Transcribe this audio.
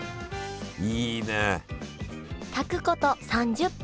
炊くこと３０分